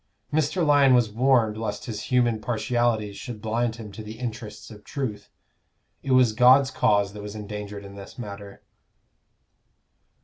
Mr. Lyon was warned lest his human partialities should blind him to the interests of truth: it was God's cause that was endangered in this matter.